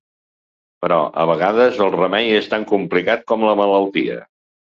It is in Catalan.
Però, a vegades, el remei és tan complicat com la malaltia.